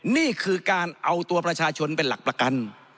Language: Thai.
นี่คือการเอาตัวประชาชนเป็นหลักประกัน